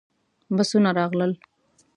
بسونه راغلل.